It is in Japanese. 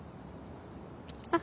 あっ。